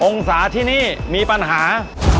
องศาที่นี่มีปัญหา